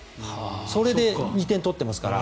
それで２点取ってますから。